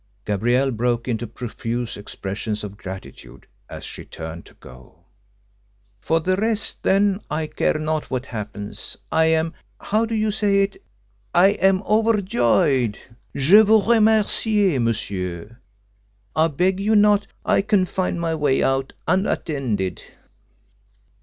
Gabrielle broke into profuse expressions of gratitude as she turned to go. "For the rest then, I care not what happens. I am how do you say it I am overjoyed. Je vous remercie, monsieur, I beg you not, I can find my way out unattended."